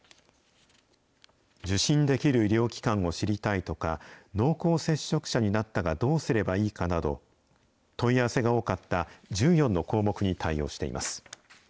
受診できる医療機関を知りたいとか、濃厚接触者になったがどうすればいいかなど、問い合わせが多かった１４の項目に対応しています。